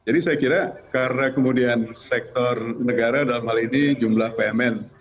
jadi saya kira karena kemudian sektor negara dalam hal ini jumlah bumn